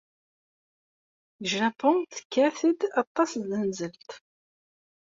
Deg Japun, tekkat-d aṭas tzenzelt.